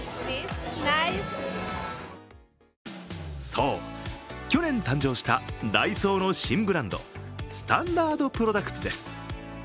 そう、去年誕生したダイソーの新ブランド、スタンダードプロダクツです。